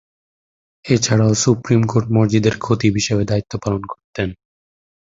এছাড়াও supreme court মসজিদের খতিব হিসেবে দায়িত্ব পালন করতেন।